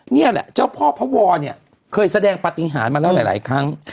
นี่แหละเจ้าพ่อพระวรเนี่ยเคยแสดงปฏิหารมาแล้วหลายครั้ง